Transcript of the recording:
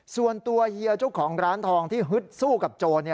ส่วนตัวเฮียเจ้าของร้านทองที่ฮึดสู้กับโจร